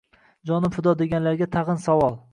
Jonim fido deganlarga tagʼin savol